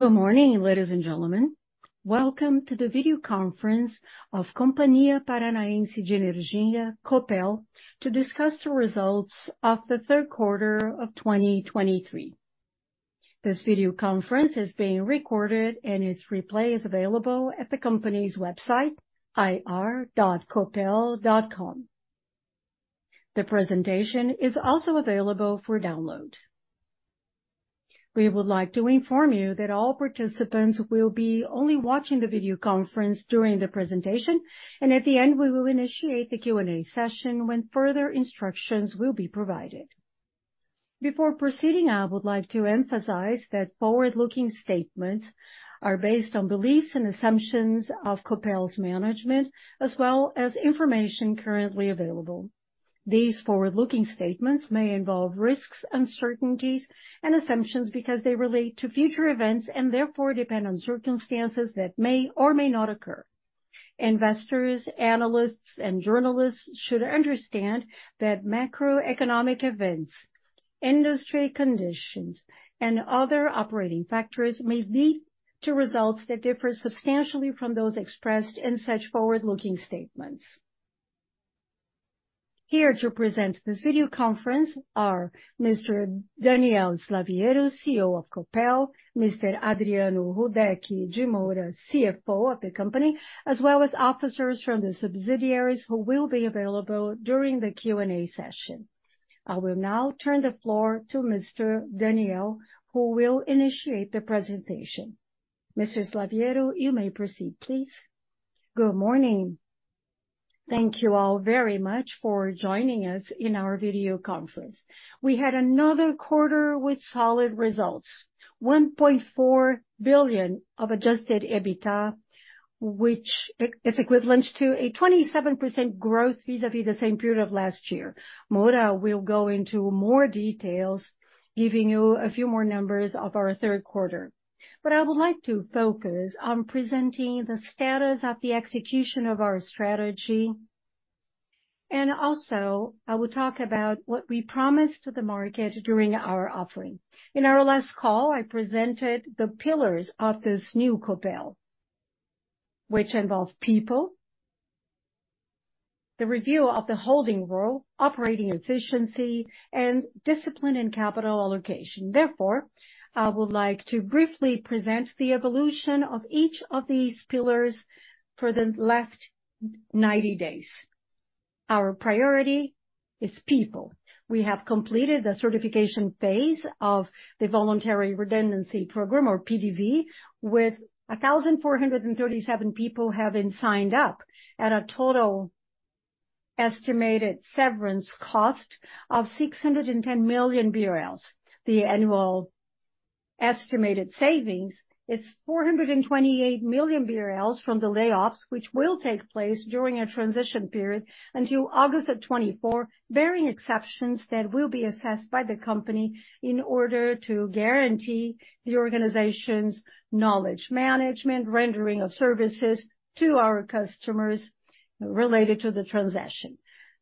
Good morning, ladies and gentlemen. Welcome to the video conference of Companhia Paranaense de Energia, Copel, to discuss the results of the third quarter of 2023. This video conference is being recorded, and its replay is available at the company's website, ir.copel.com. The presentation is also available for download. We would like to inform you that all participants will be only watching the video conference during the presentation, and at the end, we will initiate the Q&A session, when further instructions will be provided. Before proceeding, I would like to emphasize that forward-looking statements are based on beliefs and assumptions of Copel's management, as well as information currently available. These forward-looking statements may involve risks, uncertainties, and assumptions because they relate to future events, and therefore depend on circumstances that may or may not occur. Investors, analysts, and journalists should understand that macroeconomic events, industry conditions, and other operating factors may lead to results that differ substantially from those expressed in such forward-looking statements. Here to present this video conference are Mr. Daniel Slaviero, CEO of Copel, Mr. Adriano Rudek de Moura, CFO of the company, as well as officers from the subsidiaries who will be available during the Q&A session. I will now turn the floor to Mr. Daniel, who will initiate the presentation. Mr. Slaviero, you may proceed, please. Good morning. Thank you all very much for joining us in our video conference. We had another quarter with solid results, 1.4 billion of adjusted EBITDA, which is equivalent to a 27% growth vis-à-vis the same period of last year. Moura will go into more details, giving you a few more numbers of our third quarter. But I would like to focus on presenting the status of the execution of our strategy, and also, I will talk about what we promised to the market during our offering. In our last call, I presented the pillars of this new Copel, which involves people, the review of the holding role, operating efficiency, and discipline and capital allocation. Therefore, I would like to briefly present the evolution of each of these pillars for the last 90 days. Our priority is people. We have completed the certification phase of the voluntary redundancy program, or PDV, with 1,437 people having signed up at a total estimated severance cost of 610 million BRL. The annual estimated savings is 428 million BRL from the layoffs, which will take place during a transition period until August of 2024, barring exceptions that will be assessed by the company in order to guarantee the organization's knowledge management, rendering of services to our customers related to the transaction.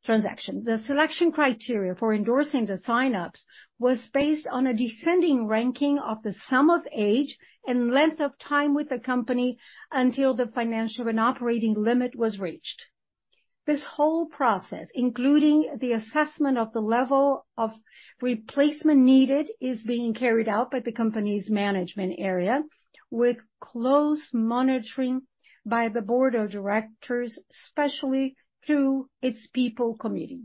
The selection criteria for endorsing the sign-ups was based on a descending ranking of the sum of age and length of time with the company until the financial and operating limit was reached. This whole process, including the assessment of the level of replacement needed, is being carried out by the company's management area, with close monitoring by the board of directors, especially through its people committee.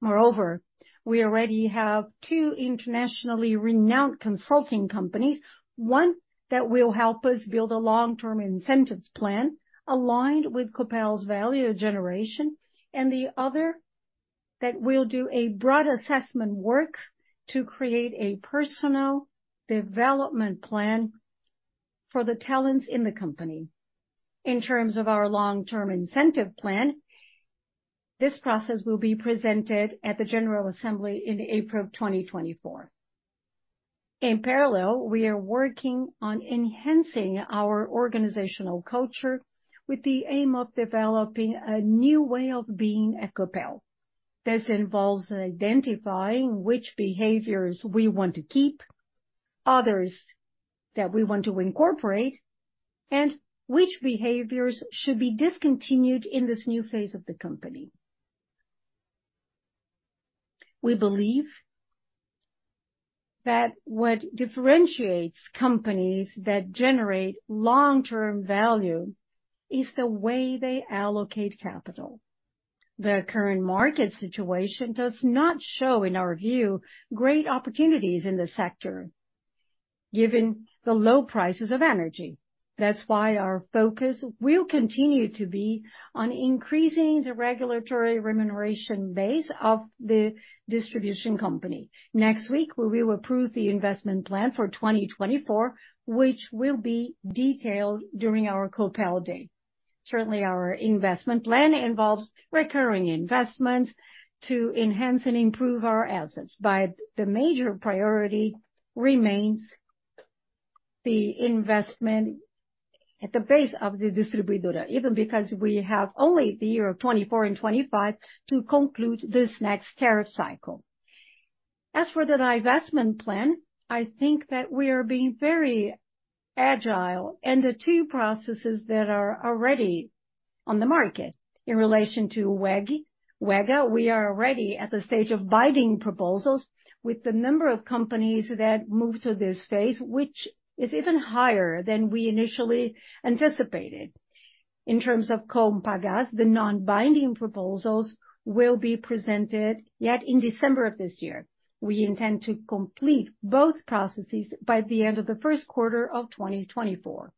Moreover, we already have two internationally renowned consulting companies, one that will help us build a long-term incentives plan aligned with Copel's value generation, and the other that will do a broad assessment work to create a personal development plan for the talents in the company. In terms of our long-term incentive plan, this process will be presented at the General Assembly in April of 2024. In parallel, we are working on enhancing our organizational culture with the aim of developing a new way of being at Copel. This involves identifying which behaviors we want to keep, others that we want to incorporate, and which behaviors should be discontinued in this new phase of the company. We believe that what differentiates companies that generate long-term value is the way they allocate capital. The current market situation does not show, in our view, great opportunities in the sector, given the low prices of energy. That's why our focus will continue to be on increasing the regulatory remuneration base of the distribution company. Next week, we will approve the investment plan for 2024, which will be detailed during our Copel Day. Certainly, our investment plan involves recurring investments to enhance and improve our assets, but the major priority remains the investment at the base of the Distribuidora, even because we have only the year of 2024 and 2025 to conclude this next tariff cycle. As for the divestment plan, I think that we are being very agile, and the two processes that are already on the market in relation to UEGA, we are already at the stage of binding proposals with the number of companies that moved to this phase, which is even higher than we initially anticipated. In terms of Compagas, the non-binding proposals will be presented yet in December of this year. We intend to complete both processes by the end of the first quarter of 2024.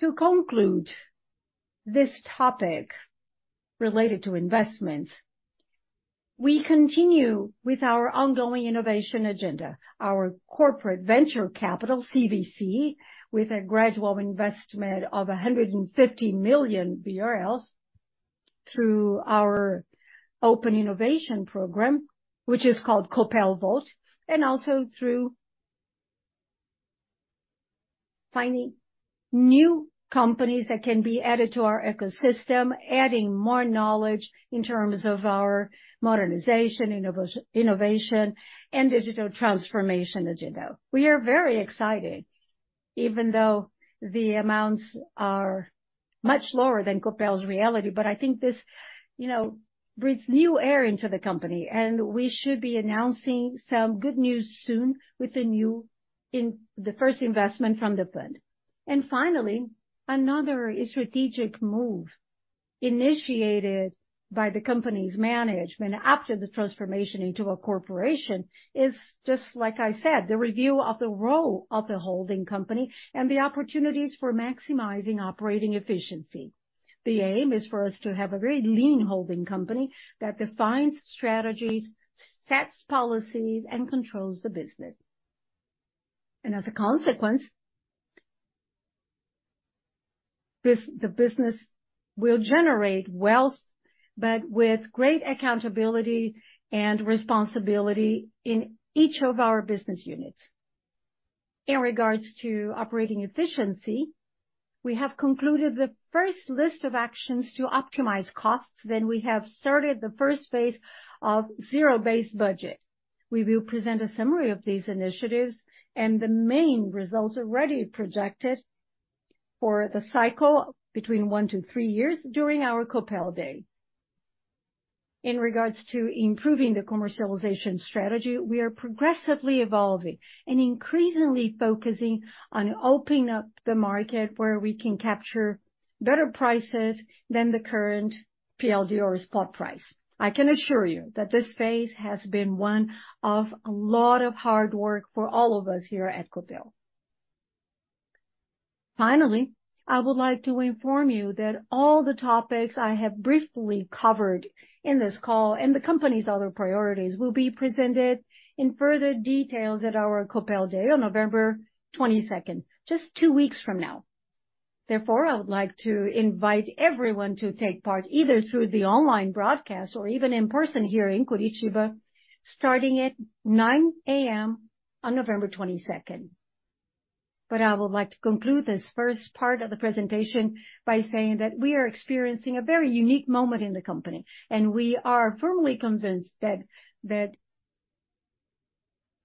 To conclude this topic related to investments, we continue with our ongoing innovation agenda, our corporate venture capital, CVC, with a gradual investment of 150 million BRL through our open innovation program, which is called Copel Volt, and also through finding new companies that can be added to our ecosystem, adding more knowledge in terms of our modernization, innovation and digital transformation agenda. We are very excited, even though the amounts are much lower than Copel's reality. But I think this, you know, brings new air into the company, and we should be announcing some good news soon with the first investment from the fund. And finally, another strategic move initiated by the company's management after the transformation into a corporation, is, just like I said, the review of the role of the holding company and the opportunities for maximizing operating efficiency. The aim is for us to have a very lean holding company that defines strategies, sets policies, and controls the business. As a consequence, this, the business will generate wealth, but with great accountability and responsibility in each of our business units. In regards to operating efficiency, we have concluded the first list of actions to optimize costs, then we have started the first phase of zero-based budget. We will present a summary of these initiatives and the main results already projected for the cycle between one to three years during our Copel Day. In regards to improving the commercialization strategy, we are progressively evolving and increasingly focusing on opening up the market where we can capture better prices than the current PLD or spot price. I can assure you that this phase has been one of a lot of hard work for all of us here at Copel. Finally, I would like to inform you that all the topics I have briefly covered in this call and the company's other priorities, will be presented in further details at our Copel Day on November 22nd, just two weeks from now. Therefore, I would like to invite everyone to take part, either through the online broadcast or even in person here in Curitiba, starting at 9:00 A.M. on November 22nd. But I would like to conclude this first part of the presentation by saying that we are experiencing a very unique moment in the company, and we are firmly convinced that, that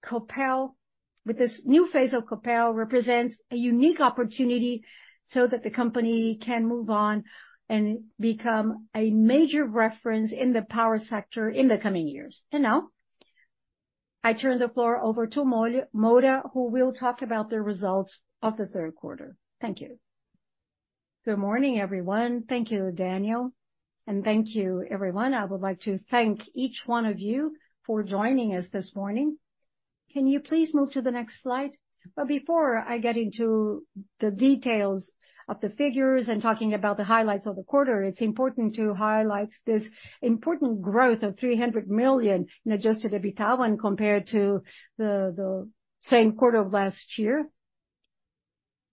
Copel, with this new phase of Copel, represents a unique opportunity so that the company can move on and become a major reference in the power sector in the coming years. Now, I turn the floor over to Adriano de Moura, who will talk about the results of the third quarter. Thank you. Good morning, everyone. Thank you, Daniel, and thank you, everyone. I would like to thank each one of you for joining us this morning. Can you please move to the next slide? But before I get into the details of the figures and talking about the highlights of the quarter, it's important to highlight this important growth of 300 million in adjusted EBITDA, when compared to the same quarter of last year.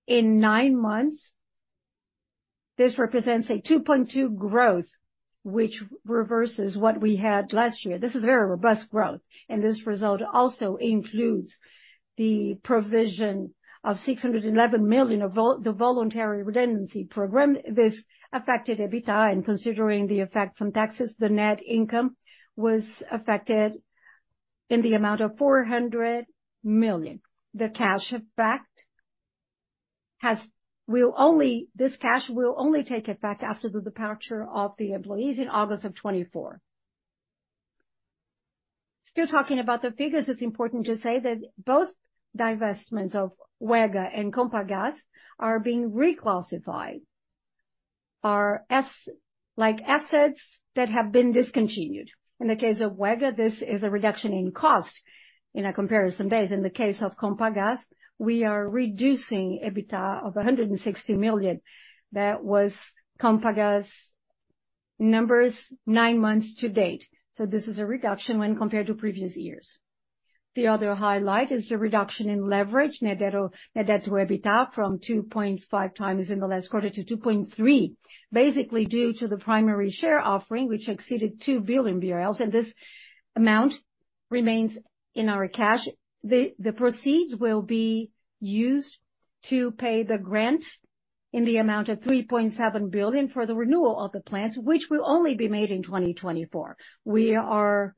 In nine months, this represents a 2.2 growth, which reverses what we had last year. This is very robust growth, and this result also includes the provision of 611 million of the voluntary redundancy program. This affected EBITDA, and considering the effect from taxes, the net income was affected in the amount of 400 million. The cash effect will only take effect after the departure of the employees in August 2024. Still talking about the figures, it's important to say that both divestments of UEGA and Compagas are being reclassified as like assets that have been discontinued. In the case of UEGA, this is a reduction in cost in a comparison base. In the case of Compagas, we are reducing EBITDA of 160 million. That was Compagas numbers nine months to date, so this is a reduction when compared to previous years. The other highlight is the reduction in leverage, net debt, net debt to EBITDA, from 2.5x in the last quarter to 2.3x. Basically, due to the primary share offering, which exceeded 2 billion BRL, and this amount remains in our cash. The proceeds will be used to pay the grant in the amount of 3.7 billion for the renewal of the plants, which will only be made in 2024. We are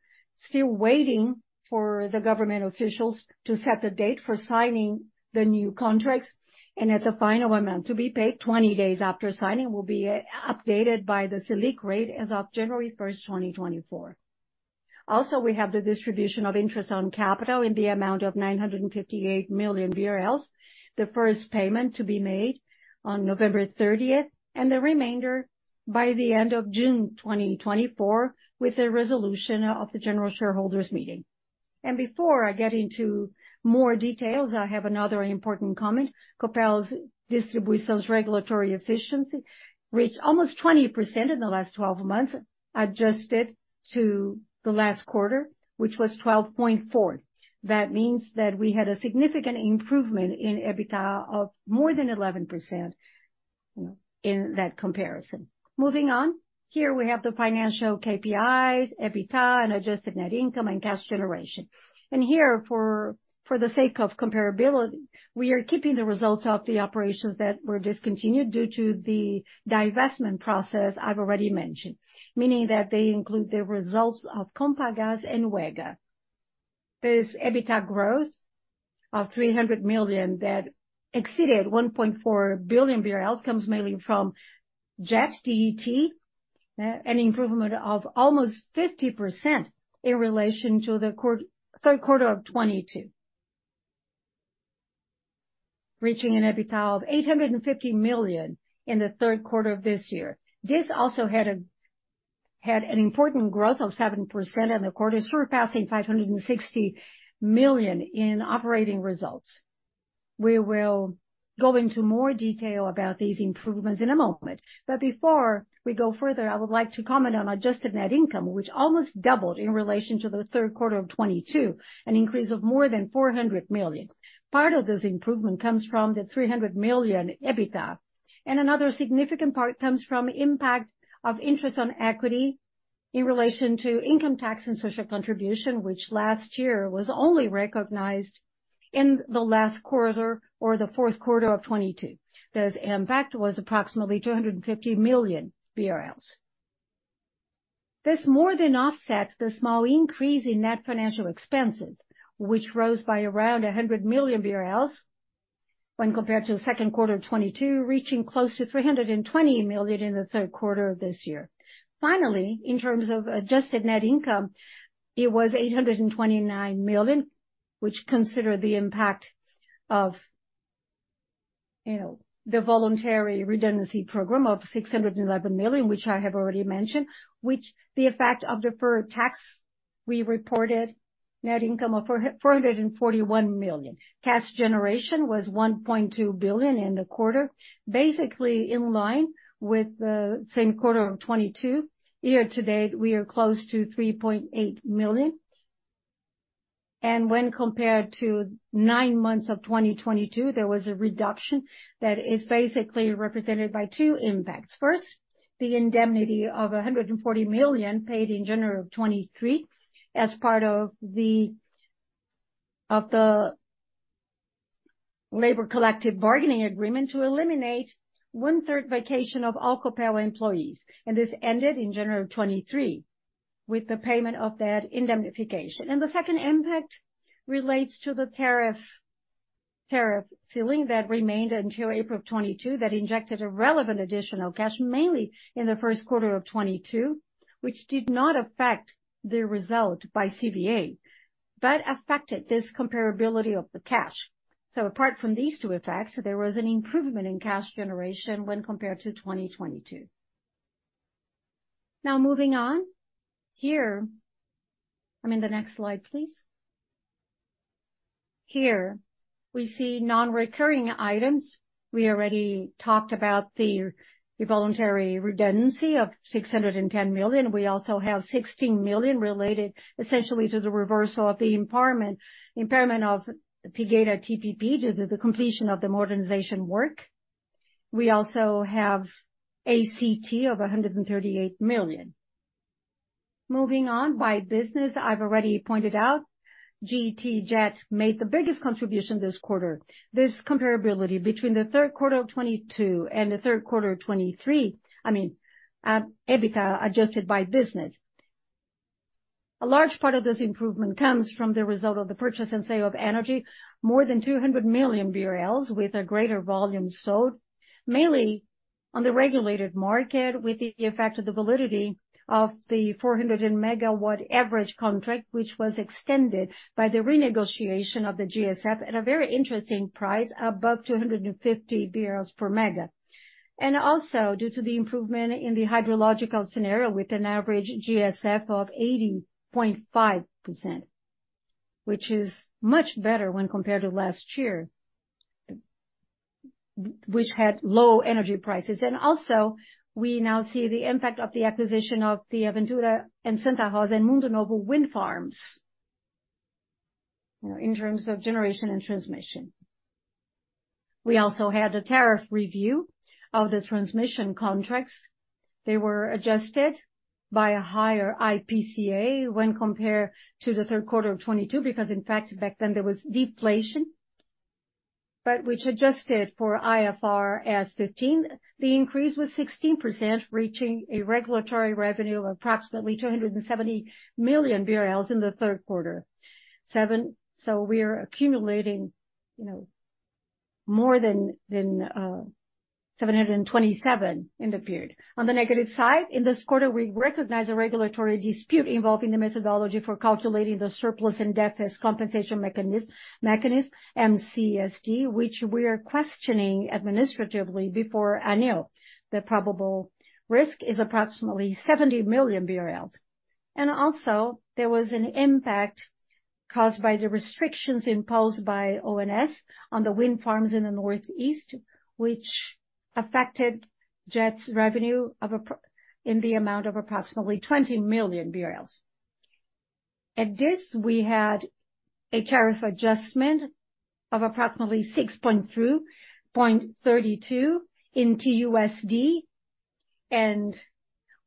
still waiting for the government officials to set the date for signing the new contracts, and as a final amount to be paid 20 days after signing, will be updated by the Selic rate as of January 1st, 2024. Also, we have the distribution of interest on capital in the amount of 958 million. The first payment to be made on November 30th, and the remainder by the end of June 2024, with a resolution of the general shareholders meeting. Before I get into more details, I have another important comment. Copel's Distribuição's regulatory efficiency reached almost 20% in the last 12 months, adjusted to the last quarter, which was 12.4. That means that we had a significant improvement in EBITDA of more than 11%, you know, in that comparison. Moving on, here we have the financial KPIs, EBITDA and adjusted net income and cash generation. Here, for the sake of comparability, we are keeping the results of the operations that were discontinued due to the divestment process I've already mentioned, meaning that they include the results of Compagas and UEGA. This EBITDA growth of 300 million that exceeded 1.4 billion BRL comes mainly from GeT, GeT, an improvement of almost 50% in relation to the third quarter of 2022. Reaching an EBITDA of 850 million in the third quarter of this year. This also had an important growth of 7% in the quarter, surpassing 560 million in operating results. We will go into more detail about these improvements in a moment, but before we go further, I would like to comment on adjusted net income, which almost doubled in relation to the third quarter of 2022, an increase of more than 400 million. Part of this improvement comes from the 300 million EBITDA, and another significant part comes from impact of interest on equity in relation to income tax and social contribution, which last year was only recognized in the last quarter or the fourth quarter of 2022. This impact was approximately 250 million BRL. This more than offsets the small increase in net financial expenses, which rose by around 100 million BRL when compared to the second quarter of 2022, reaching close to 320 million in the third quarter of this year. Finally, in terms of adjusted net income, it was 829 million, which consider the impact of, you know, the voluntary redundancy program of 611 million, which I have already mentioned, which the effect of deferred tax, we reported net income of 441 million. Cash generation was 1.2 billion in the quarter, basically in line with the same quarter of 2022. Year to date, we are close to 3.8 million. And when compared to nine months of 2022, there was a reduction that is basically represented by two impacts. First, the indemnity of 140 million paid in January 2023 as part of the labor collective bargaining agreement to eliminate1/3 vacation of all Copel employees, and this ended in January 2023 with the payment of that indemnification. The second impact relates to the tariff ceiling that remained until April 2022, that injected a relevant additional cash, mainly in the first quarter of 2022, which did not affect the result by CVA, but affected this comparability of the cash. Apart from these two effects, there was an improvement in cash generation when compared to 2022. Now, moving on, here... I mean, the next slide, please. Here we see non-recurring items. We already talked about the voluntary redundancy of 610 million. We also have 16 million related essentially to the reversal of the impairment, impairment of UEGA TPP due to the completion of the modernization work. We also have ACT of 138 million. Moving on, by business, I've already pointed out, GeT's made the biggest contribution this quarter. This comparability between the third quarter of 2022 and the third quarter of 2023, I mean, EBITDA, adjusted by business. A large part of this improvement comes from the result of the purchase and sale of energy, more than 200 million BRL, with a greater volume sold, mainly on the regulated market, with the effect of the validity of the 400 MW average contract, which was extended by the renegotiation of the GSF at a very interesting price, above 250 BRL per MWh. And also due to the improvement in the hydrological scenario, with an average GSF of 80.5%, which is much better when compared to last year, which had low energy prices. And also, we now see the impact of the acquisition of the Aventura and Santa Rosa and Mundo Novo wind farms, you know, in terms of generation and transmission. We also had a tariff review of the transmission contracts. They were adjusted by a higher IPCA when compared to the third quarter of 2022, because, in fact, back then there was deflation. But which adjusted for IFRS 15, the increase was 16%, reaching a regulatory revenue of approximately 270 million BRL in the third quarter. Seven, so we are accumulating, you know, more than, than, seven hundred and twenty-seven in the period. On the negative side, in this quarter, we recognized a regulatory dispute involving the methodology for calculating the surplus and deficit compensation mechanism, MCSD, which we are questioning administratively before ANEEL. The probable risk is approximately 70 million BRL. And also, there was an impact caused by the restrictions imposed by ONS on the wind farms in the Northeast, which affected GeT's revenue in the amount of approximately 20 million BRL. At this, we had a tariff adjustment of approximately 6.32 in TUSD and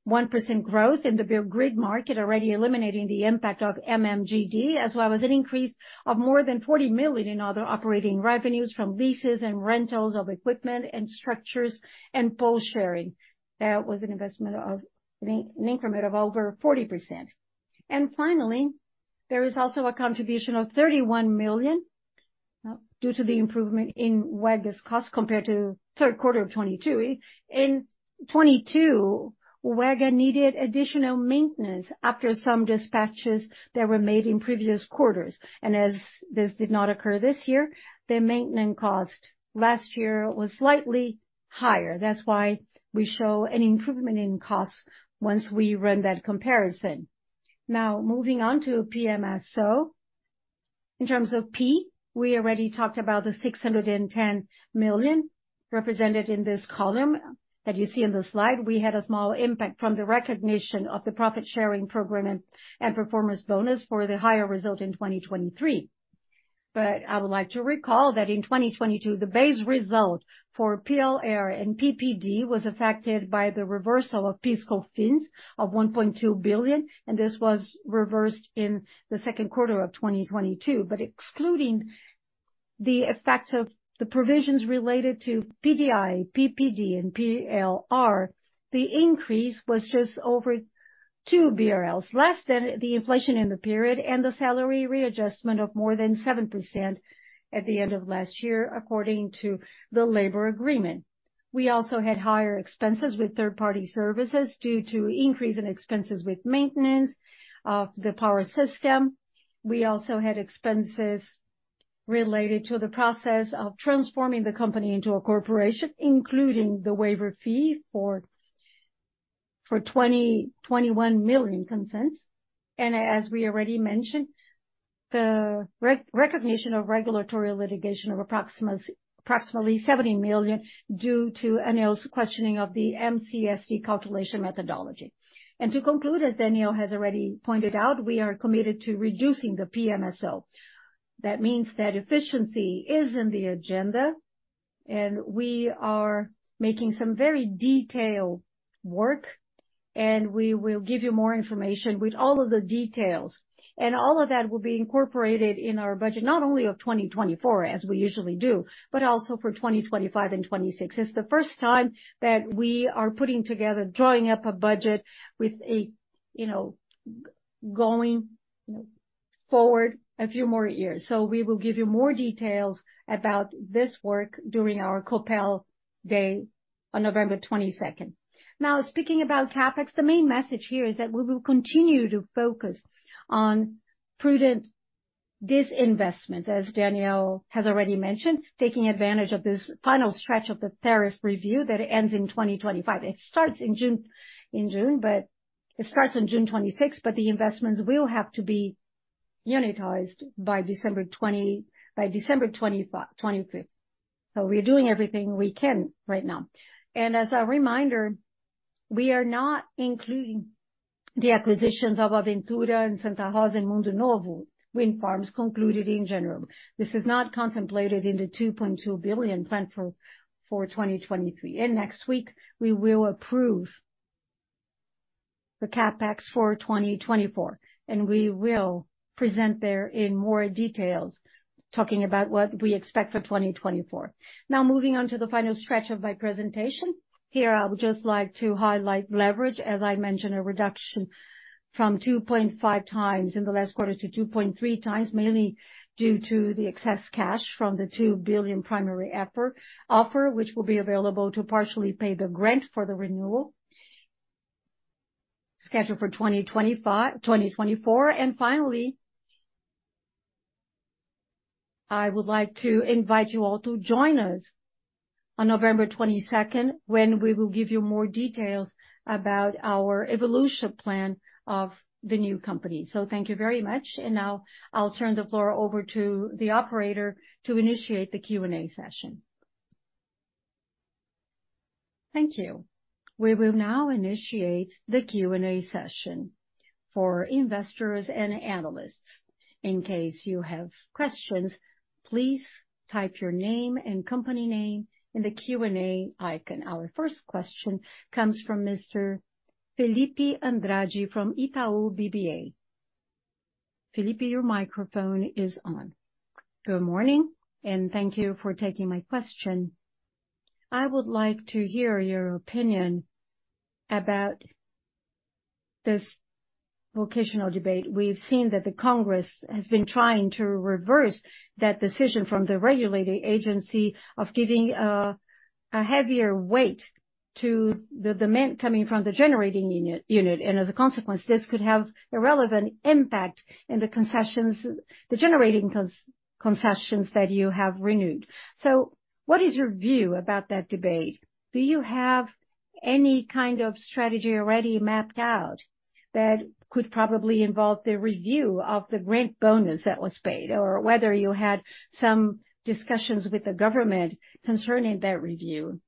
1% growth in the grid market, already eliminating the impact of MMGD, as well as an increase of more than 40 million in other operating revenues from leases and rentals of equipment and structures and pole sharing. That was an investment of an increment of over 40%. And finally, there is also a contribution of 31 million due to the improvement in UEGA's cost compared to third quarter of 2020. In 2022, UEGA needed additional maintenance after some dispatches that were made in previous quarters, and as this did not occur this year, the maintenance cost last year was slightly higher. That's why we show an improvement in costs once we run that comparison. Now, moving on to PMSO. In terms of P, we already talked about the 610 million represented in this column that you see on the slide. We had a small impact from the recognition of the profit-sharing program and performance bonus for the higher result in 2023. But I would like to recall that in 2022, the base result for PLR and PPD was affected by the reversal of fiscal fines of 1.2 billion, and this was reversed in the second quarter of 2022. But excluding the effects of the provisions related to PDI, PPD, and PLR, the increase was just over 2 BRL, less than the inflation in the period and the salary readjustment of more than 7% at the end of last year, according to the labor agreement. We also had higher expenses with third-party services due to increase in expenses with maintenance of the power system. We also had expenses related to the process of transforming the company into a corporation, including the waiver fee for 21 million consents. As we already mentioned, the recognition of regulatory litigation of approximately 70 million due to ANEEL's questioning of the MCSD calculation methodology. To conclude, as Daniel has already pointed out, we are committed to reducing the PMSO. That means that efficiency is in the agenda, and we are making some very detailed work, and we will give you more information with all of the details. All of that will be incorporated in our budget, not only of 2024, as we usually do, but also for 2025 and 2026. It's the first time that we are putting together, drawing up a budget with a, you know, going, you know, forward a few more years. So we will give you more details about this work during our Copel Day on November 22nd. Now, speaking about CapEx, the main message here is that we will continue to focus on prudent disinvestment, as Daniel has already mentioned, taking advantage of this final stretch of the tariff review that ends in 2025. It starts in June, but it starts on June 26th, but the investments will have to be unitized by December 25th. So we're doing everything we can right now. And as a reminder, we are not including the acquisitions of Ventura and Santa Rosa and Mundo Novo wind farms concluded in general. This is not contemplated in the 2.2 billion plan for 2023. And next week, we will approve the CapEx for 2024, and we will present there in more details, talking about what we expect for 2024. Now, moving on to the final stretch of my presentation. Here, I would just like to highlight leverage. As I mentioned, a reduction from 2.5 times in the last quarter to 2.3 times, mainly due to the excess cash from the 2 billion primary offer, which will be available to partially pay the grant for the renewal scheduled for 2024. And finally, I would like to invite you all to join us on November 22, when we will give you more details about our evolution plan of the new company. So thank you very much. And now I'll turn the floor over to the operator to initiate the Q&A session. Thank you. We will now initiate the Q&A session for investors and analysts. In case you have questions, please type your name and company name in the Q&A icon. Our first question comes from Mr. Fillipe Andrade from Itaú BBA. Felipe, your microphone is on. Good morning, and thank you for taking my question. I would like to hear your opinion about this volumetric debate. We've seen that the Congress has been trying to reverse that decision from the regulating agency of giving a heavier weight to the demand coming from the generating unit, and as a consequence, this could have a relevant impact in the concessions, the generating concessions that you have renewed. So what is your view about that debate? Do you have any kind of strategy already mapped out that could probably involve the review of the grant bonus that was paid, or whether you had some discussions with the government concerning that review,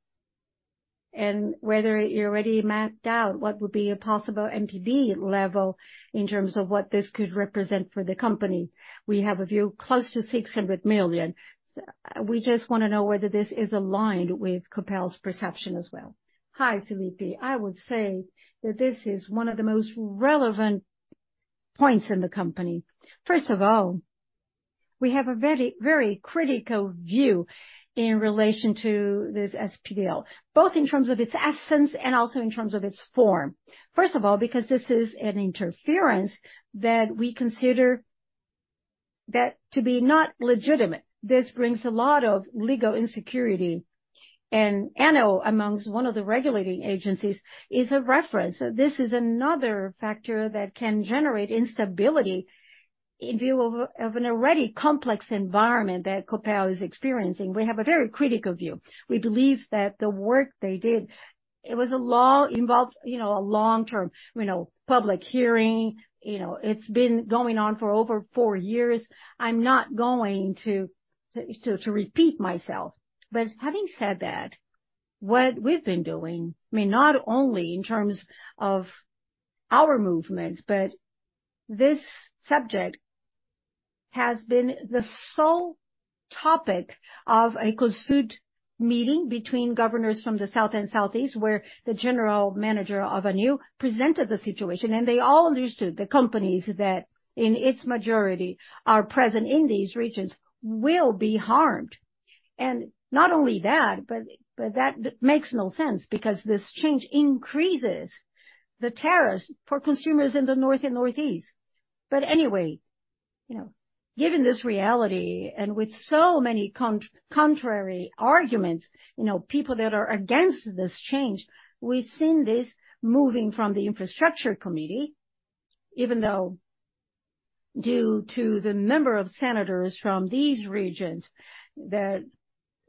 and whether you already mapped out what would be a possible NPV level in terms of what this could represent for the company? We have a view close to 600 million. We just want to know whether this is aligned with Copel's perception as well. Hi, Fillipe. I would say that this is one of the most relevant points in the company. First of all, we have a very, very critical view in relation to this SPDL, both in terms of its essence and also in terms of its form. First of all, because this is an interference that we consider that to be not legitimate. This brings a lot of legal insecurity, and ANEEL, among one of the regulating agencies, is a reference. This is another factor that can generate instability in view of an already complex environment that Copel is experiencing. We have a very critical view. We believe that the work they did, it was a long involved, you know, a long-term, you know, public hearing. You know, it's been going on for over four years. I'm not going to to repeat myself. But having said that, what we've been doing, I mean, not only in terms of our movements, but this subject has been the sole topic of a COSUD meeting between governors from the South and Southeast, where the general manager of ANEEL presented the situation, and they all understood the companies that, in its majority, are present in these regions, will be harmed. And not only that, but that makes no sense, because this change increases the tariffs for consumers in the North and Northeast. But anyway, you know, given this reality, and with so many contrary arguments, you know, people that are against this change, we've seen this moving from the infrastructure committee, even though due to the number of senators from these regions that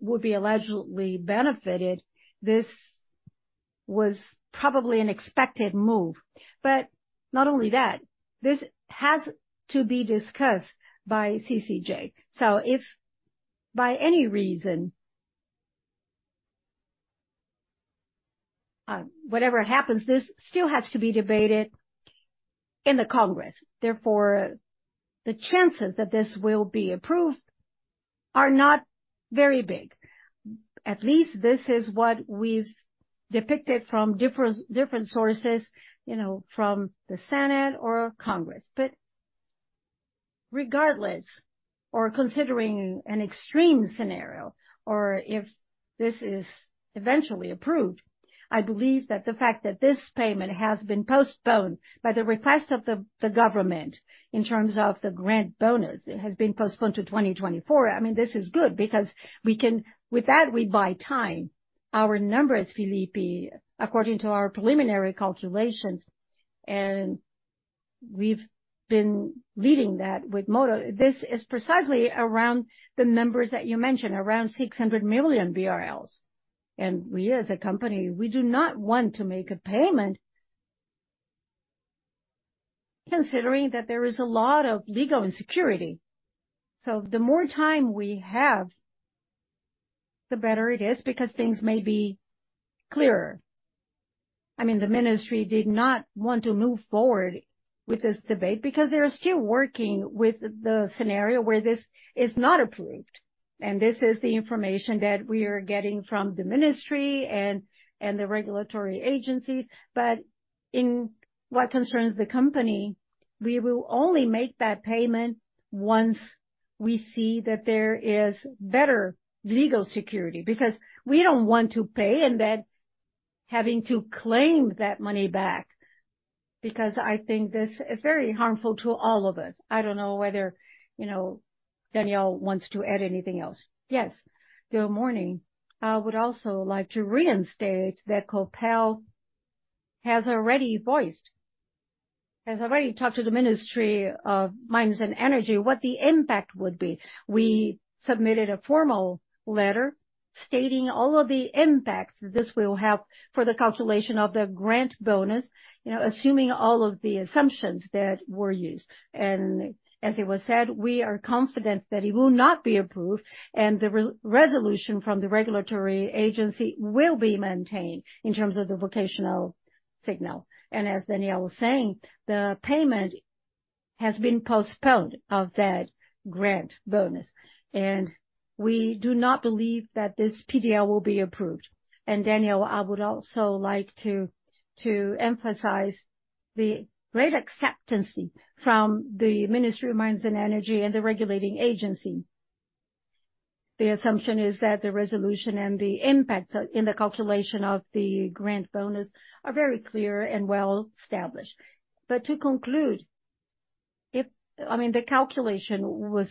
would be allegedly benefited, this was probably an expected move. But not only that, this has to be discussed by CCJ. So if by any reason, whatever happens, this still has to be debated in the Congress, therefore, the chances that this will be approved are not very big. At least this is what we've depicted from different sources, you know, from the Senate or Congress. But regardless, or considering an extreme scenario, or if this is eventually approved, I believe that the fact that this payment has been postponed by the request of the government in terms of the grant bonus, it has been postponed to 2024. I mean, this is good because we can... With that, we buy time. Our numbers, Fillipe, according to our preliminary calculations, and we've been leading that with Moura. This is precisely around the numbers that you mentioned, around 600 million BRL. And we, as a company, we do not want to make a payment considering that there is a lot of legal insecurity. So the more time we have, the better it is, because things may be clearer. I mean, the ministry did not want to move forward with this debate because they're still working with the scenario where this is not approved, and this is the information that we are getting from the ministry and, and the regulatory agencies. But in what concerns the company, we will only make that payment once we see that there is better legal security, because we don't want to pay and then having to claim that money back, because I think this is very harmful to all of us. I don't know whether, you know, Daniel wants to add anything else. Yes. Good morning. I would also like to reinstate that Copel has already voiced, has already talked to the Ministry of Mines and Energy, what the impact would be. We submitted a formal letter-... Stating all of the impacts this will have for the calculation of the grant bonus, you know, assuming all of the assumptions that were used. As it was said, we are confident that it will not be approved, and the resolution from the regulatory agency will be maintained in terms of the vocational signal. As Daniel was saying, the payment has been postponed of that grant bonus, and we do not believe that this PDL will be approved. Daniel, I would also like to emphasize the great acceptance from the Ministry of Mines and Energy and the regulating agency. The assumption is that the resolution and the impact in the calculation of the grant bonus are very clear and well established. To conclude, I mean, the calculation was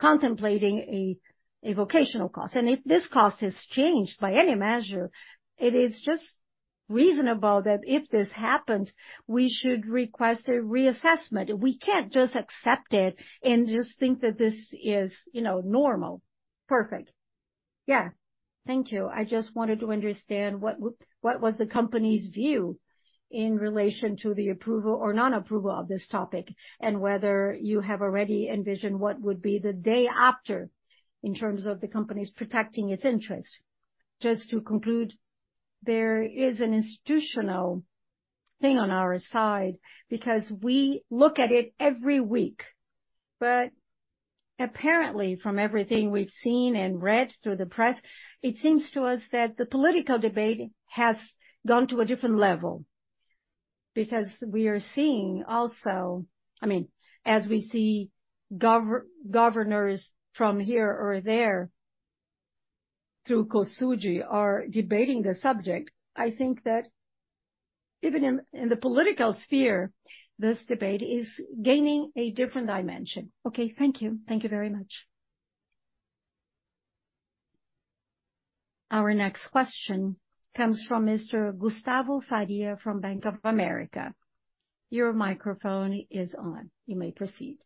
contemplating a vocational cost, and if this cost is changed by any measure, it is just reasonable that if this happens, we should request a reassessment. We can't just accept it and just think that this is, you know, normal. Perfect. Yeah. Thank you. I just wanted to understand what was the company's view in relation to the approval or non-approval of this topic, and whether you have already envisioned what would be the day after, in terms of the company's protecting its interests. Just to conclude, there is an institutional thing on our side, because we look at it every week. But apparently, from everything we've seen and read through the press, it seems to us that the political debate has gone to a different level. Because we are seeing also... I mean, as we see governors from here or there, through COSUD, are debating the subject, I think that even in, in the political sphere, this debate is gaining a different dimension. Okay. Thank you. Thank you very much. Our next question comes from Mr. Gustavo Faria from Bank of America. Your microphone is on. You may proceed.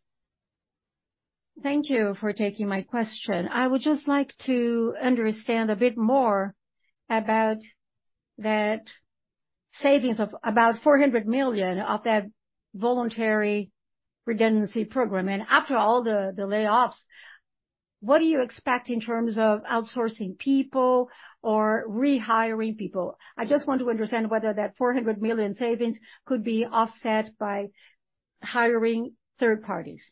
Thank you for taking my question. I would just like to understand a bit more about that savings of about 400 million of that voluntary redundancy program. And after all the, the layoffs, what do you expect in terms of outsourcing people or rehiring people? I just want to understand whether that 400 million savings could be offset by hiring third parties.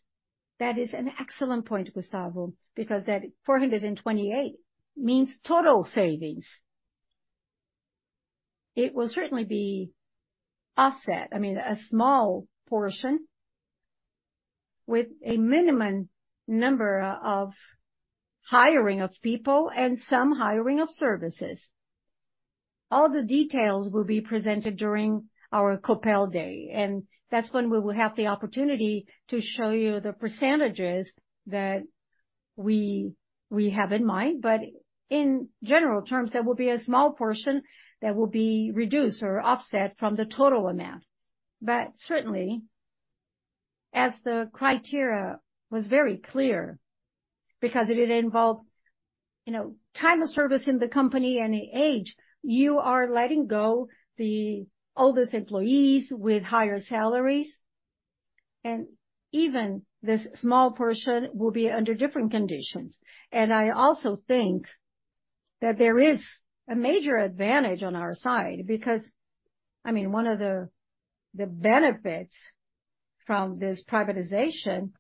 That is an excellent point, Gustavo, because that 428 million means total savings. It will certainly be offset, I mean, a small portion, with a minimum number of hiring of people and some hiring of services. All the details will be presented during our Copel Day, and that's when we will have the opportunity to show you the percentages that we, we have in mind. But in general terms, there will be a small portion that will be reduced or offset from the total amount. But certainly, as the criteria was very clear, because it involved, you know, time of service in the company and the age, you are letting go the oldest employees with higher salaries, and even this small portion will be under different conditions. I also think that there is a major advantage on our side, because, I mean, one of the benefits from this privatization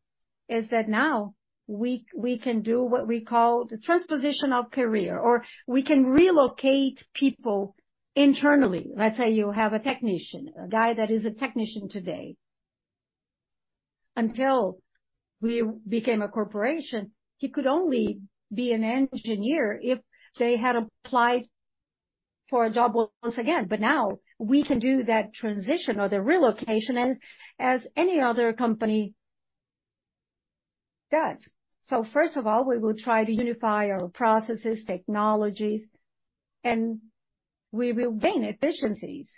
is that now we can do what we call the transposition of career, or we can relocate people internally. Let's say you have a technician, a guy that is a technician today. Until we became a corporation, he could only be an engineer if they had applied for a job once again. But now we can do that transition or the relocation, and as any other company does. First of all, we will try to unify our processes, technologies, and we will gain efficiencies.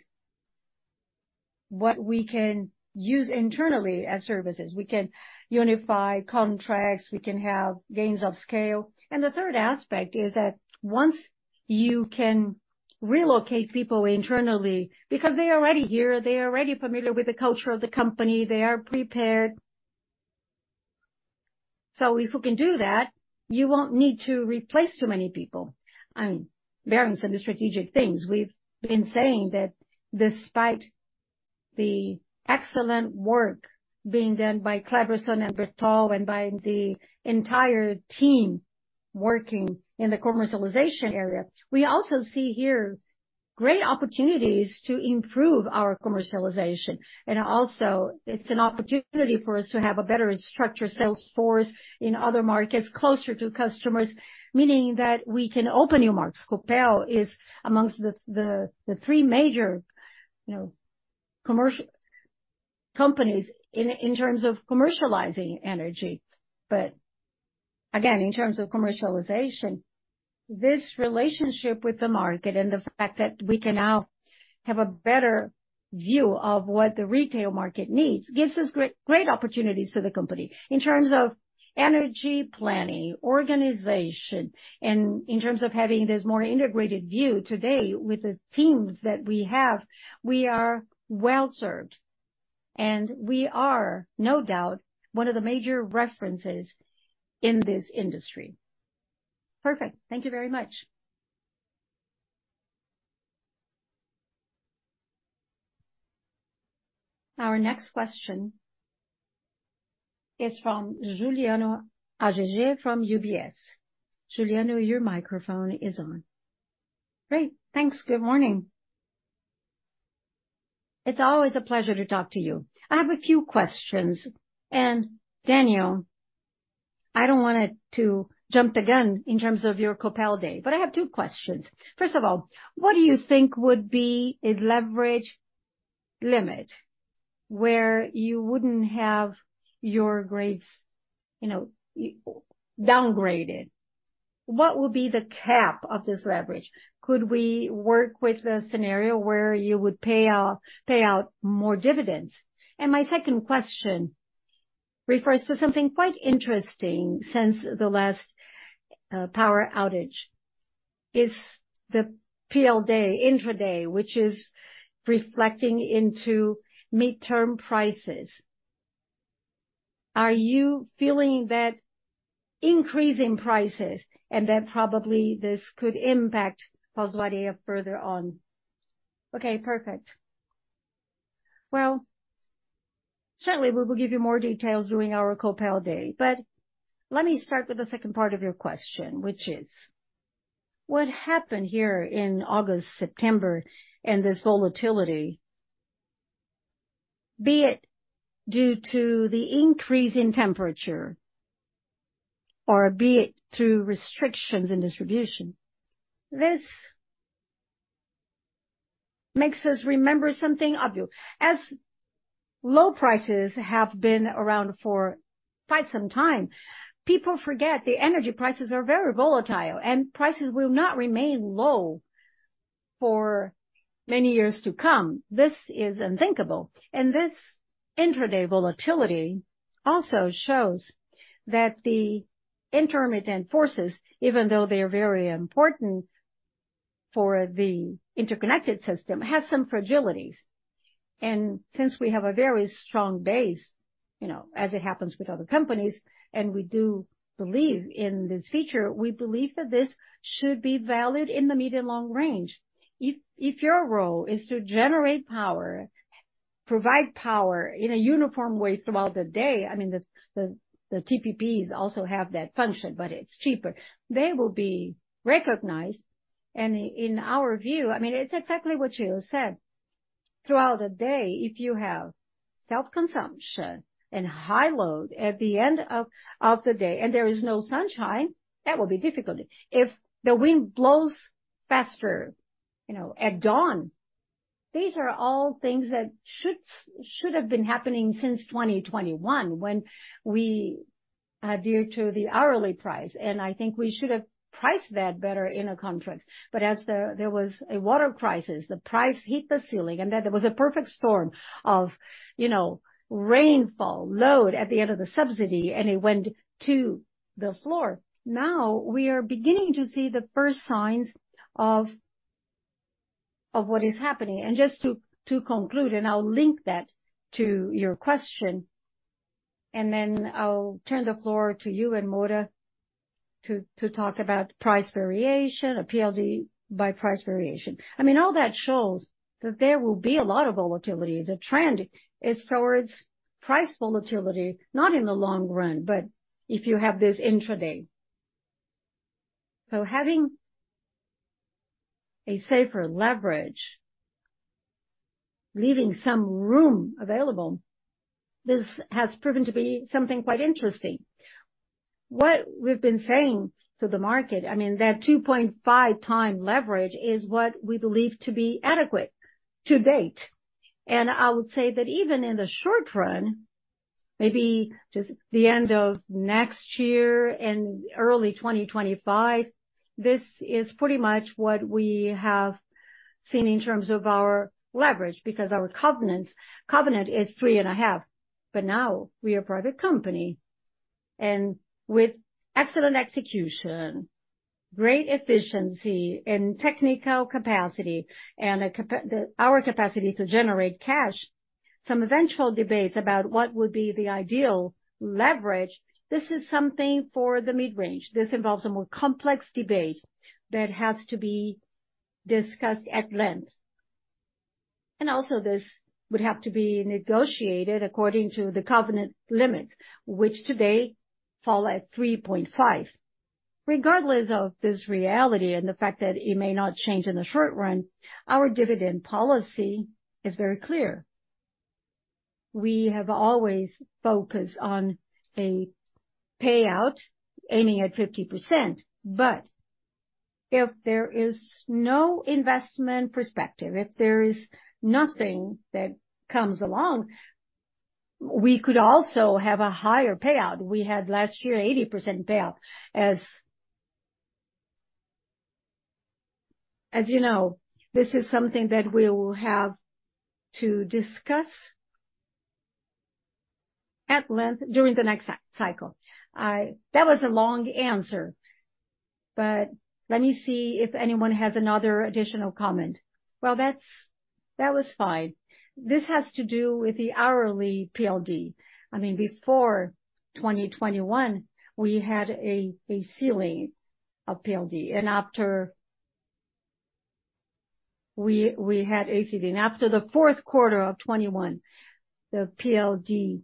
What we can use internally as services, we can unify contracts, we can have gains of scale. The third aspect is that once you can relocate people internally, because they are already here, they are already familiar with the culture of the company, they are prepared. So if you can do that, you won't need to replace too many people. Bearing some of the strategic things, we've been saying that despite the excellent work being done by Cleberson and Bertol, and by the entire team working in the commercialization area, we also see here great opportunities to improve our commercialization. And also, it's an opportunity for us to have a better structured sales force in other markets closer to customers, meaning that we can open new markets. Copel is amongst the three major, you know, commercial companies in terms of commercializing energy. But again, in terms of commercialization, this relationship with the market and the fact that we can now have a better view of what the retail market needs, gives us great, great opportunities for the company in terms of energy planning, organization, and in terms of having this more integrated view. Today, with the teams that we have, we are well-served, and we are no doubt one of the major references in this industry. Perfect. Thank you very much. Our next question is from Giuliano Ajeje from UBS. Giuliano, your microphone is on. Great, thanks. Good morning. It's always a pleasure to talk to you. I have a few questions, and Daniel, I don't want it to jump the gun in terms of your Copel Day, but I have two questions. First of all, what do you think would be a leverage limit where you wouldn't have your grades, you know, downgraded? What would be the cap of this leverage? Could we work with a scenario where you would pay out more dividends? And my second question refers to something quite interesting since the last power outage, is the PLD intraday, which is reflecting into midterm prices. Are you feeling that increase in prices and that probably this could impact Distribuidora further on? Okay, perfect. Well, certainly we will give you more details during our Copel Day. But let me start with the second part of your question, which is: What happened here in August, September, and this volatility, be it due to the increase in temperature or be it through restrictions in distribution, this makes us remember something obvious. As low prices have been around for quite some time, people forget the energy prices are very volatile and prices will not remain low for many years to come. This is unthinkable, and this intraday volatility also shows that the intermittent forces, even though they are very important for the interconnected system, have some fragilities. And since we have a very strong base, you know, as it happens with other companies, and we do believe in this feature, we believe that this should be valued in the medium long range. If your role is to generate power, provide power in a uniform way throughout the day, I mean, the TPPs also have that function, but it's cheaper. They will be recognized, and in our view, I mean, it's exactly what you said. Throughout the day, if you have self-consumption and high load at the end of the day, and there is no sunshine, that will be difficult. If the wind blows faster, you know, at dawn, these are all things that should have been happening since 2021, when we adhere to the hourly price. And I think we should have priced that better in a contract. But as there was a water crisis, the price hit the ceiling, and then there was a perfect storm of, you know, rainfall, load at the end of the subsidy, and it went to the floor. Now, we are beginning to see the first signs of what is happening. Just to conclude, and I'll link that to your question, and then I'll turn the floor to you and Moura to talk about price variation, a PLD by price variation. I mean, all that shows that there will be a lot of volatility. The trend is towards price volatility, not in the long run, but if you have this intraday. So having a safer leverage, leaving some room available, this has proven to be something quite interesting. What we've been saying to the market, I mean, that 2.5 times leverage is what we believe to be adequate to date. I would say that even in the short run, maybe just the end of next year and early 2025, this is pretty much what we have seen in terms of our leverage, because our covenant, covenant is 3.5, but now we are a private company and with excellent execution, great efficiency and technical capacity and our capacity to generate cash, some eventual debates about what would be the ideal leverage, this is something for the mid-range. This involves a more complex debate that has to be discussed at length. And also, this would have to be negotiated according to the covenant limits, which today fall at 3.5. Regardless of this reality and the fact that it may not change in the short run, our dividend policy is very clear. We have always focused on a payout aiming at 50%, but if there is no investment perspective, if there is nothing that comes along, we could also have a higher payout. We had last year, 80% payout. As you know, this is something that we will have to discuss at length during the next cycle. That was a long answer, but let me see if anyone has another additional comment. Well, that was fine. This has to do with the hourly PLD. I mean, before 2021, we had a ceiling of PLD, and after, we had ACD. And after the fourth quarter of 2021, the PLD,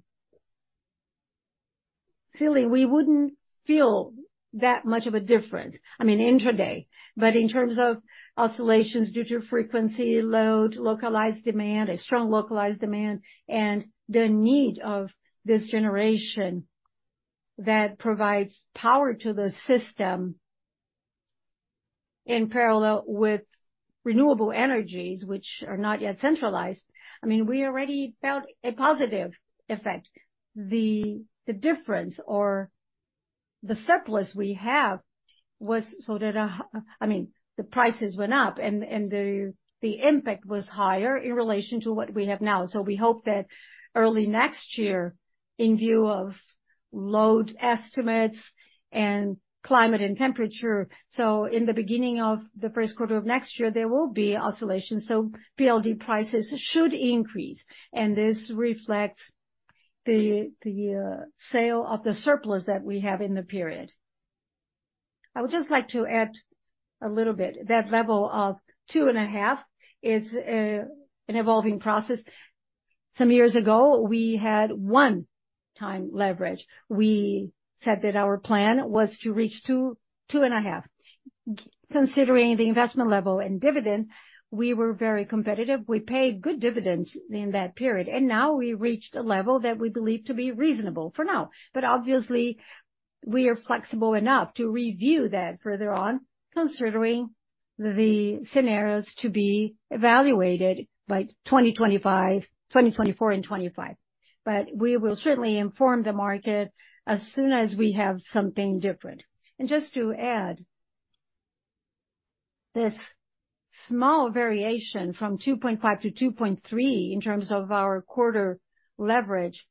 clearly, we wouldn't feel that much of a difference, I mean, intraday. But in terms of oscillations due to frequency, load, localized demand, a strong localized demand, and the need of this generation that provides power to the system in parallel with renewable energies, which are not yet centralized, I mean, we already felt a positive effect. The difference or the surplus we have was so that, I mean, the prices went up and the impact was higher in relation to what we have now. So we hope that early next year, in view of load estimates and climate and temperature, so in the beginning of the first quarter of next year, there will be oscillations, so PLD prices should increase, and this reflects the sale of the surplus that we have in the period. I would just like to add a little bit. That level of 2.5 is an evolving process. Some years ago, we had 1x leverage. We said that our plan was to reach 2x-2.5x. Considering the investment level and dividend, we were very competitive. We paid good dividends in that period, and now we reached a level that we believe to be reasonable for now. But obviously, we are flexible enough to review that further on, considering the scenarios to be evaluated by 2025... 2024 and 2025. But we will certainly inform the market as soon as we have something different. And just to add, this small variation from 2.5x to 2.3x in terms of our quarter leverage,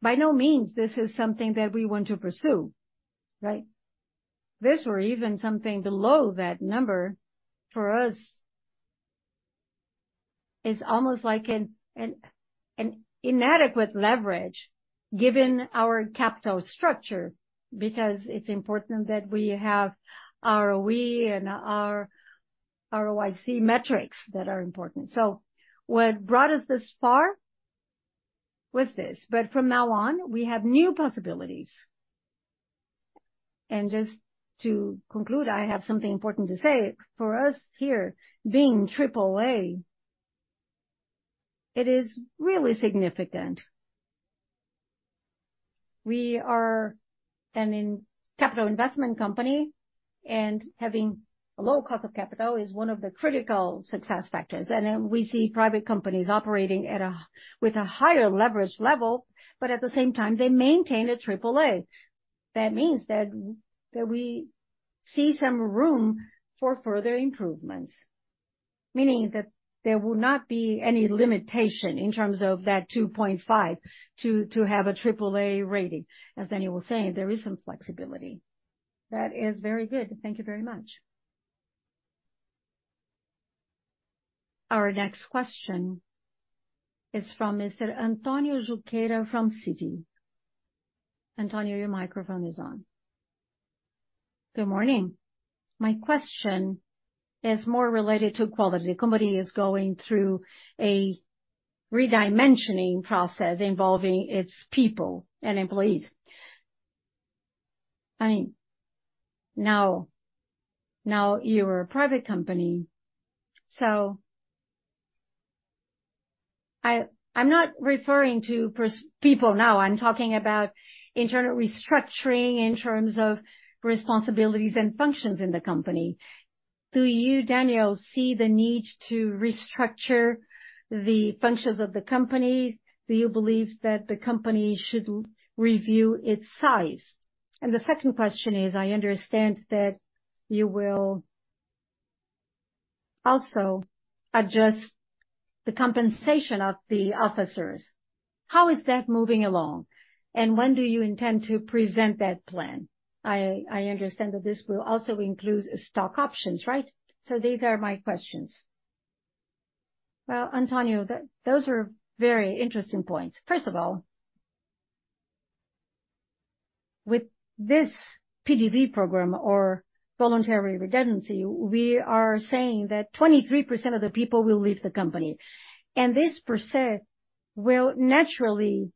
by no means this is something that we want to pursue, right? This or even something below that number, for us, is almost like an inadequate leverage, given our capital structure, because it's important that we have ROE and our ROIC metrics that are important. What brought us this far was this, but from now on, we have new possibilities. Just to conclude, I have something important to say. For us here, being triple-A, it is really significant. We are an infrastructure capital investment company, and having a low cost of capital is one of the critical success factors. Then we see private companies operating at a higher leverage level, but at the same time, they maintain a triple-A. That means that we see some room for further improvements, meaning that there will not be any limitation in terms of that 2.5, to have a triple-A rating. As Daniel was saying, there is some flexibility. That is very good. Thank you very much. Our next question is from Mr. Antonio Junqueira from Citi. Antonio, your microphone is on. Good morning. My question is more related to quality. The company is going through a redimensioning process involving its people and employees. I mean, now you're a private company, so I'm not referring to people now, I'm talking about internal restructuring in terms of responsibilities and functions in the company. Do you, Daniel, see the need to restructure the functions of the company? Do you believe that the company should review its size? And the second question is, I understand that you will also adjust the compensation of the officers. How is that moving along, and when do you intend to present that plan? I understand that this will also include stock options, right? So these are my questions. Well, Antonio, those are very interesting points. First of all, with this PDV program or voluntary redundancy, we are saying that 23% of the people will leave the company, and this percent will naturally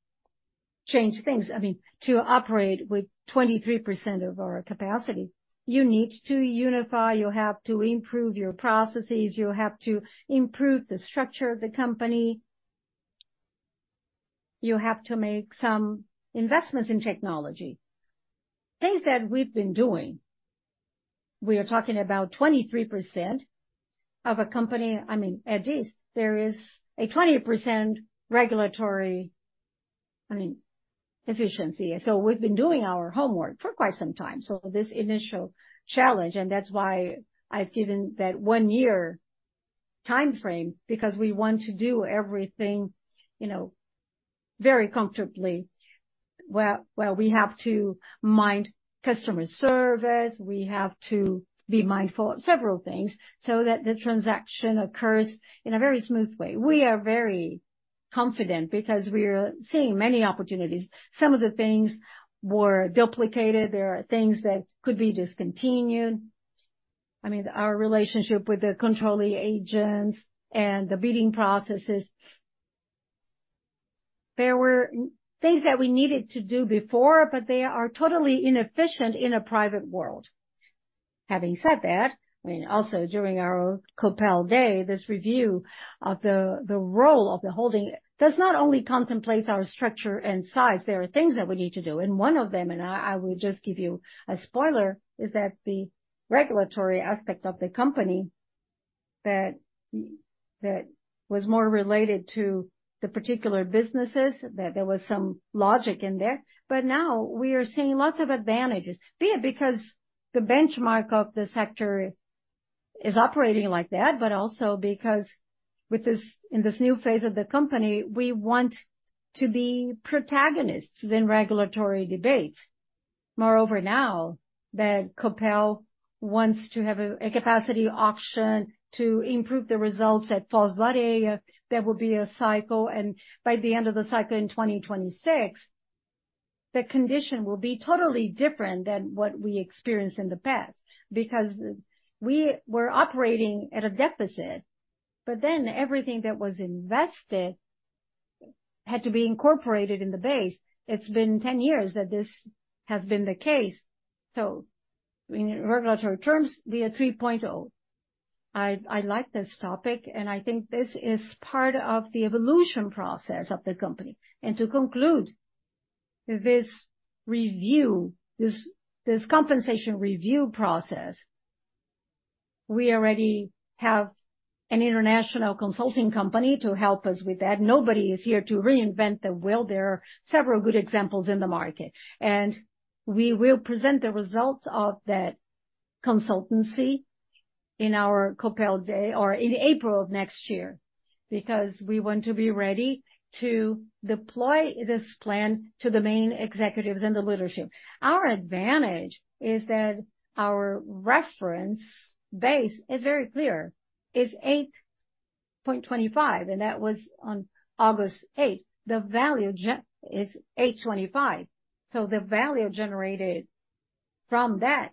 change things. I mean, to operate with 23% of our capacity, you need to unify, you have to improve your processes, you have to improve the structure of the company, you have to make some investments in technology. Things that we've been doing. We are talking about 23% of a company. I mean, at this, there is a 20% regulatory efficiency. So we've been doing our homework for quite some time. So this initial challenge, and that's why I've given that one year time frame, because we want to do everything, you know, very comfortably. Where we have to mind customer service, we have to be mindful of several things so that the transaction occurs in a very smooth way. We are very confident because we are seeing many opportunities. Some of the things were duplicated. There are things that could be discontinued. I mean, our relationship with the controlling agents and the bidding processes. There were things that we needed to do before, but they are totally inefficient in a private world. Having said that, I mean, also during our Copel Day, this review of the role of the holding does not only contemplate our structure and size, there are things that we need to do. One of them, and I, I will just give you a spoiler, is that the regulatory aspect of the company that, that was more related to the particular businesses, that there was some logic in there. But now we are seeing lots of advantages, be it because the benchmark of the sector is operating like that, but also because with this, in this new phase of the company, we want to be protagonists in regulatory debates. Moreover, now that Copel wants to have a, a capacity auction to improve the results at Foz do Iguaçu, there will be a cycle, and by the end of the cycle in 2026, the condition will be totally different than what we experienced in the past, because we were operating at a deficit, but then everything that was invested had to be incorporated in the base. It's been 10 years that this has been the case. So in regulatory terms, we are 3.0. I like this topic, and I think this is part of the evolution process of the company. And to conclude, this review, this compensation review process, we already have an international consulting company to help us with that. Nobody is here to reinvent the wheel. There are several good examples in the market, and we will present the results of that consultancy in our Copel Day or in April of next year, because we want to be ready to deploy this plan to the main executives and the leadership. Our advantage is that our reference base is very clear. It's 8.25, and that was on August 8. The value generated is 825, so the value generated from that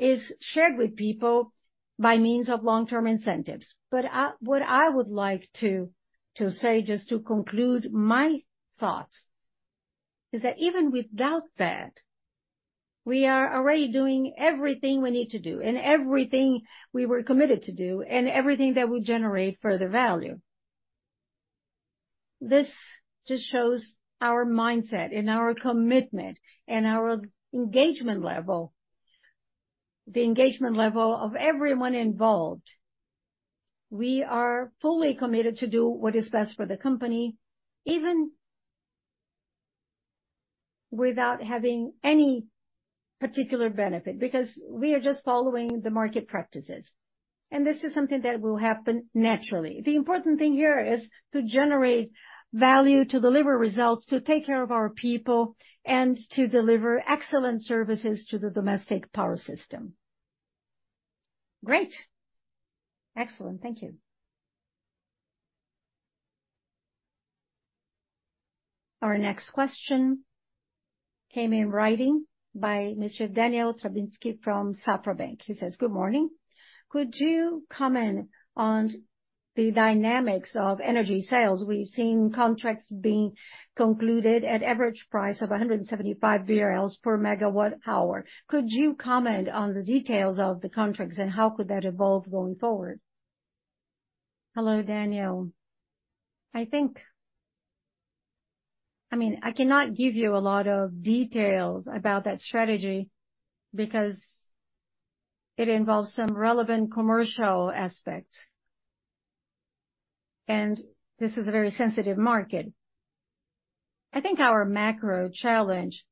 is shared with people by means of long-term incentives. But what I would like to say, just to conclude my thoughts, is that even without that, we are already doing everything we need to do and everything we were committed to do and everything that will generate further value. This just shows our mindset and our commitment and our engagement level, the engagement level of everyone involved. We are fully committed to do what is best for the company, even without having any particular benefit, because we are just following the market practices, and this is something that will happen naturally. The important thing here is to generate value, to deliver results, to take care of our people, and to deliver excellent services to the domestic power system. Great. Excellent. Thank you. Our next question came in writing by Mr. Daniel Travassos from Safra Bank. He says, "Good morning. Could you comment on the dynamics of energy sales? We've seen contracts being concluded at average price of 175 BRL per MWh Could you comment on the details of the contracts and how could that evolve going forward?" Hello, Daniel. I think... I mean, I cannot give you a lot of details about that strategy because it involves some relevant commercial aspects, and this is a very sensitive market. I think our macro challenge,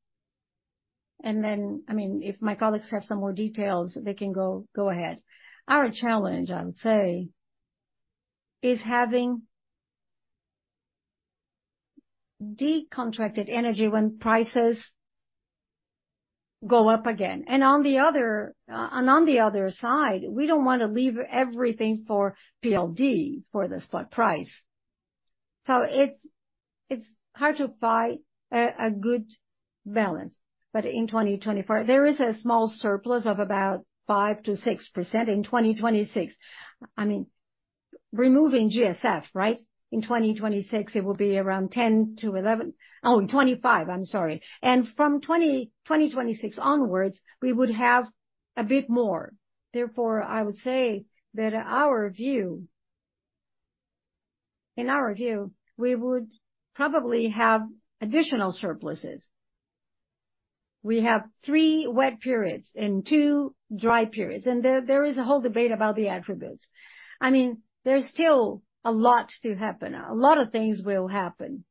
and then, I mean, if my colleagues have some more details, they can go ahead. Our challenge, I would say, is having decontracted energy when prices go up again. And on the other, and on the other side, we don't want to leave everything for PLD, for the spot price. So it's hard to find a good balance. But in 2024, there is a small surplus of about 5%-6%. In 2026, I mean, removing GSF, right? In 2026, it will be around 10-11. Oh, 2025, I'm sorry. And from 2026 onwards, we would have a bit more. Therefore, I would say that our view... In our view, we would probably have additional surpluses.... We have three wet periods and two dry periods, and there is a whole debate about the attributes. I mean, there's still a lot to happen. A lot of things will happen.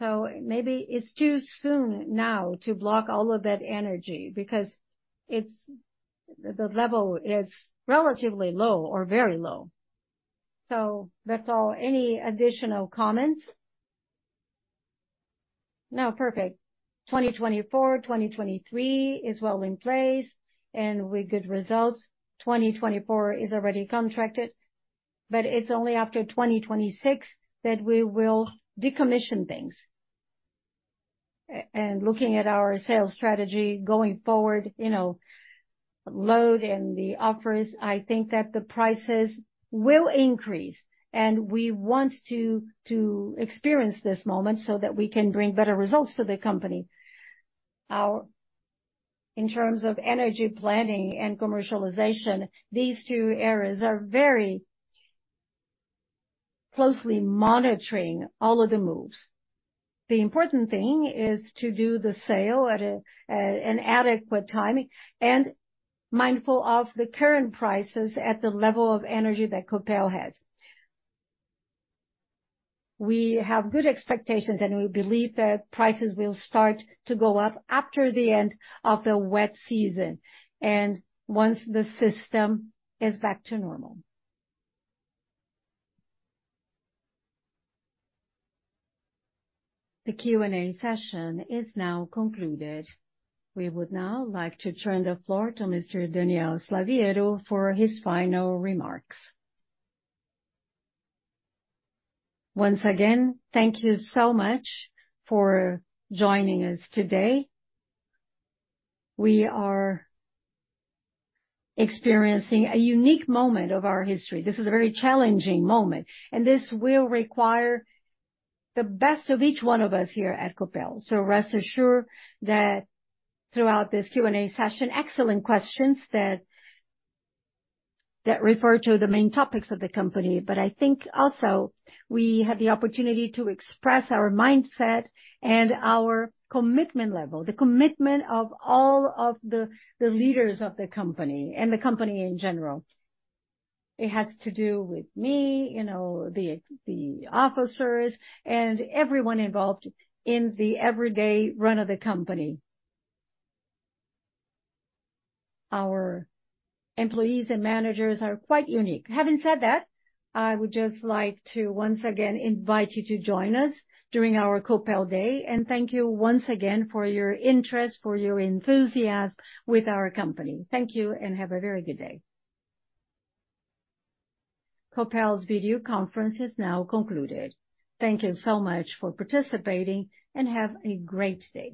So maybe it's too soon now to block all of that energy because it's the level is relatively low or very low. So that's all. Any additional comments? No, perfect. 2024, 2023 is well in place, and with good results. 2024 is already contracted, but it's only after 2026 that we will decommission things. And looking at our sales strategy going forward, you know, load and the offers, I think that the prices will increase, and we want to experience this moment so that we can bring better results to the company. Our—in terms of energy planning and commercialization, these two areas are very closely monitoring all of the moves. The important thing is to do the sale at an adequate timing and mindful of the current prices at the level of energy that Copel has. We have good expectations, and we believe that prices will start to go up after the end of the wet season, and once the system is back to normal. The Q&A session is now concluded. We would now like to turn the floor to Mr. Daniel Slaviero for his final remarks. Once again, thank you so much for joining us today. We are experiencing a unique moment of our history. This is a very challenging moment, and this will require the best of each one of us here at Copel. So rest assured that throughout this Q&A session, excellent questions that refer to the main topics of the company. But I think also, we had the opportunity to express our mindset and our commitment level, the commitment of all of the leaders of the company and the company in general. It has to do with me, you know, the officers and everyone involved in the everyday run of the company. Our employees and managers are quite unique. Having said that, I would just like to once again invite you to join us during our Copel Day, and thank you once again for your interest, for your enthusiasm with our company. Thank you and have a very good day. Copel's video conference is now concluded. Thank you so much for participating, and have a great day.